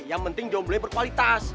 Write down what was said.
yang penting jomblo nya berkualitas